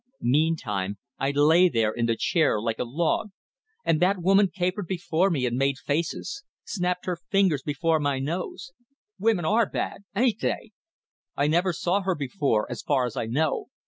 Meantime I lay there in the chair like a log, and that woman capered before me and made faces; snapped her fingers before my nose. Women are bad! ain't they? I never saw her before, as far as I know.